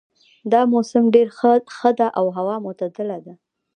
دا موسم ډېر ښه ده او هوا معتدله ده